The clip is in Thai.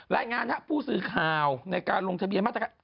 รายงานฮะผู้ซื้อข่าวในการลงทะเบียนรับสิทธิ์